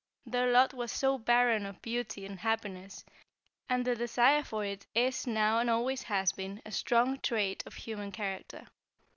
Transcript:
Their lot was so barren of beauty and happiness, and the desire for it is, now and always has been, a strong trait of human character.